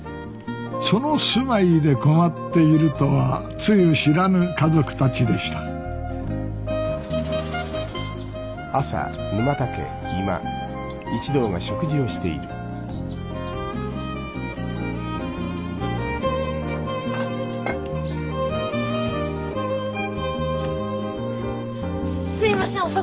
その住まいで困っているとはつゆ知らぬ家族たちでしたすいません遅くなりました。